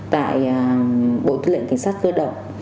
tại bộ thứ lệnh cảnh sát cơ động